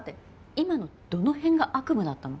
今のどの辺が悪夢だったの？